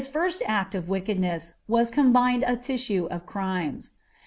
III of wickedness was combined a tissue of crimes.